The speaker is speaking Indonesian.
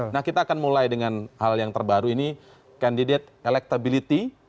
nah kita akan mulai dengan hal yang terbaru ini kandidat electability